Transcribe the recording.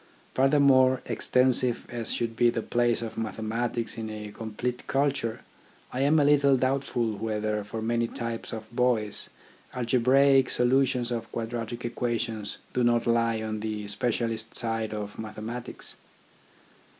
Furthermore, extensive as should be the place of mathematics in a complete culture, I am a little doubtful whether for many types of boys algebraic solutions of quadratic equations do not lie on the specialist side of mathematics.